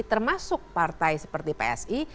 termasuk partai seperti psi